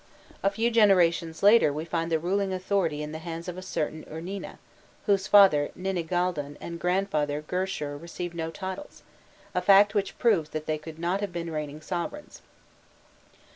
A few generations later we find the ruling authority in the hands of a certain Urnina, whose father Ninigaldun and grandfather Gurshar received no titles a fact which proves that they could not have been reigning sovereigns.